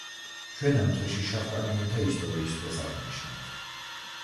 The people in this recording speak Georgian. ჩვენ ამ თვეში შავკანიანთა ისტორიის თვეს ავღნიშნავთ.